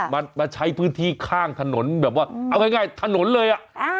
มาใช้พื้นที่ข้างถนนแบบว่าเอาง่ายถนนเลยอ่ะ